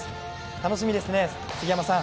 楽しみですね、杉山さん。